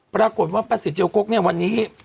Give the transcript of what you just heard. ปรากฏว่าประสิทธิเจียวกกเนี่ยวันนี้